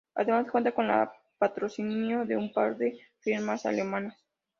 Además cuenta con el patrocinio de un par de firmas alemanas.